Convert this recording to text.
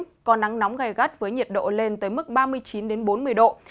vẫn có nắng nóng gai gắt với nhiệt độ lên tới mức ba mươi chín đến bốn mươi độ